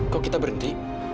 kok kita berhenti